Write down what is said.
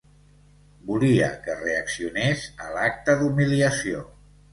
Volia que reaccionés a l’acte d’humiliació.